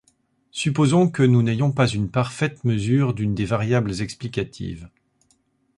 Supposons que nous n'ayons pas une parfaite mesure d'une des variables explicatives.